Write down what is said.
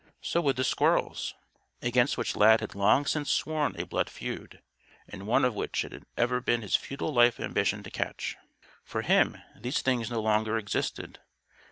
So would the squirrels against which Lad had long since sworn a blood feud (and one of which it had ever been his futile life ambition to catch). For him, these things no longer existed.